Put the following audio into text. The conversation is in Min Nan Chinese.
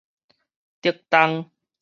竹東